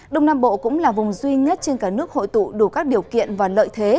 đông nam bộ cũng là vùng duy nhất trên cả nước hội tụ đủ các điều kiện và lợi thế